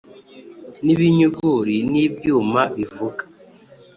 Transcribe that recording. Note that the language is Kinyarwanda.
n ibinyuguri n ibyuma bivuga